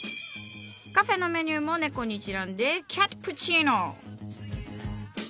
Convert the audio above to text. カフェのメニューも猫にちなんで「キャットプチーノ」。